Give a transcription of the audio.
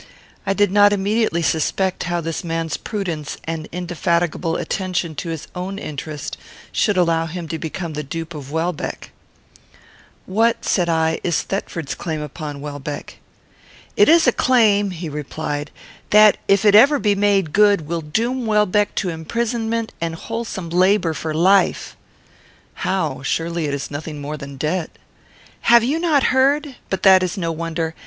I did not immediately suspect how this man's prudence and indefatigable attention to his own interest should allow him to become the dupe of Welbeck. "What," said I, "is old Thetford's claim upon Welbeck?" "It is a claim," he replied, "that, if it ever be made good, will doom Welbeck to imprisonment and wholesome labour for life." "How? Surely it is nothing more than debt." "Have you not heard? But that is no wonder.